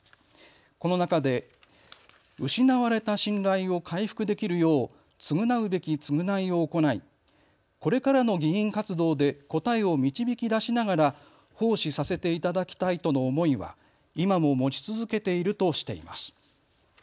この中で、失われた信頼を回復できるよう償うべき償いを行いこれからの議員活動で答えを導き出しながら奉仕させていただきたいとの思いは今も持ち続けているとしています。